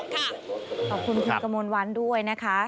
ขอบคุณคุณกระมวลวันด้วยนะคะ